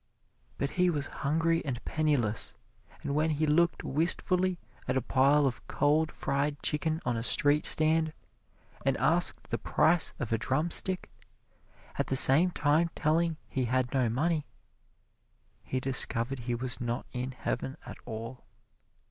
But he was hungry and penniless, and when he looked wistfully at a pile of cold fried chicken on a street stand and asked the price of a drumstick, at the same time telling he had no money, he discovered he was not in heaven at all.